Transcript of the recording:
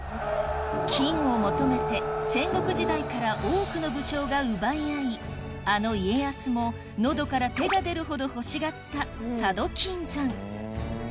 金を求めて戦国時代から多くの武将が奪い合いあの家康も喉から手が出るほど欲しがった佐渡金山